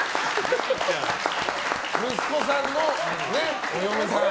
息子さんのお嫁さん。